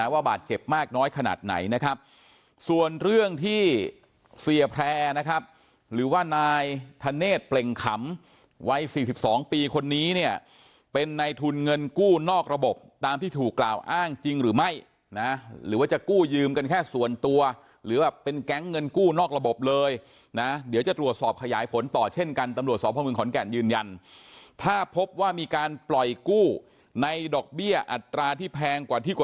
ว่าบาทเจ็บมากน้อยขนาดไหนนะครับส่วนเรื่องที่เสียแพร่นะครับหรือว่านายทะเนธเปล่งขำวัย๔๒ปีคนนี้เนี่ยเป็นในทุนเงินกู้นอกระบบตามที่ถูกกล่าวอ้างจริงหรือไม่นะหรือว่าจะกู้ยืมกันแค่ส่วนตัวหรือว่าเป็นแก๊งเงินกู้นอกระบบเลยนะเดี๋ยวจะตรวจสอบขยายผลต่อเช่นกันตำรวจสอบภาคมือ